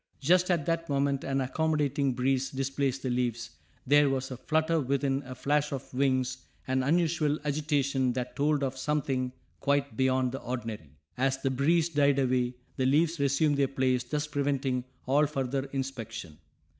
Just at that moment an accommodating breeze displaced the leaves; there was a flutter within, a flash of wings, an unusual agitation that told of something quite beyond the ordinary. As the breeze died away the leaves resumed their place thus preventing all further inspection.